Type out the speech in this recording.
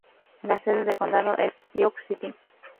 La sede del condado es Sioux City.